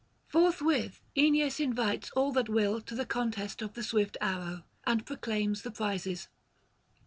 Forthwith Aeneas invites all that will to the contest of the swift arrow, and proclaims the prizes.